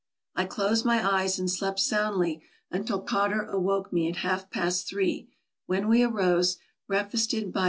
I closed my eyes and slept soundly until Cotter awoke me at half past three, when we arose, breakfasted by th